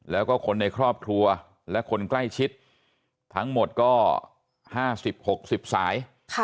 แล้วก็คนในครอบครัวและคนใกล้ชิดทั้งหมดก็๕๐๖๐สาย